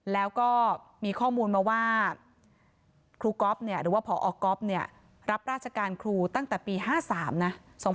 แล้วก็มีข้อมูลมาว่าครูก๊อฟหรือว่าพอก๊อฟเนี่ยรับราชการครูตั้งแต่ปี๕๓นะ